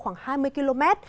khoảng hai mươi km